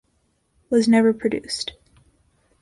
Was never produced.